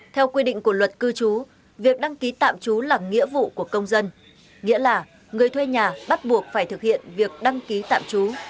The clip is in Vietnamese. theo quy định của luật cư trú việc đăng ký tạm trú là nghĩa vụ của công dân nghĩa là người thuê nhà bắt buộc phải thực hiện việc đăng ký tạm trú